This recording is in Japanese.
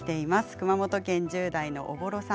熊本県１０代の方です。